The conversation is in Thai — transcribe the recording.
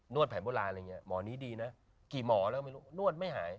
นวดแผ่นโบราณอะไรอย่างเงี้ย